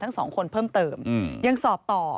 ทั้งสองคนเพิ่มเติมยังสอบต่อ